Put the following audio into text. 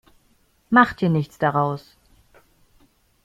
Mach dir nichts daraus.